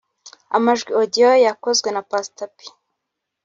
Amajwi yakozwe na Pastor P